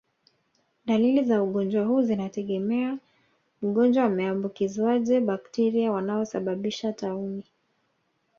Dalili za ugonjwa huu zinategemea mgonjwa ameambukizwaje bakteria wanaosababisha tauni